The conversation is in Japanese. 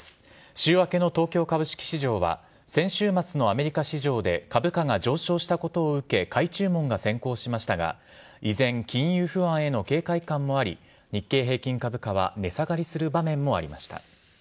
週明けの東京株式市場は、先週末のアメリカ市場で株価が上昇したことを受け、買い注文が先行しましたが、依然、金融不安への警戒感もあり、日経平均株価は値下がりする場面もありました。